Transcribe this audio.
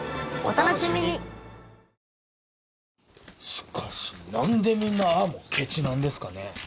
しかし何でみんなああもケチなんですかね